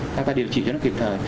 chúng ta điều trị cho nó kịp thời